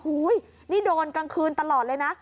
อุ้ยนี่โดนกลางคืนตลอดเลยนะ